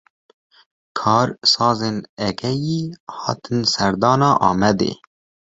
Karsazên Egeyî, hatin serdana Amedê